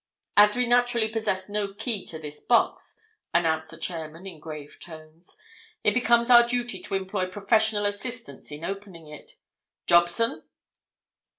"As we naturally possess no key to this box," announced the chairman in grave tones, "it becomes our duty to employ professional assistance in opening it. Jobson!"